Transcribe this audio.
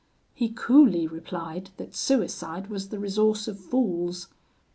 He coolly replied that suicide was the resource of fools.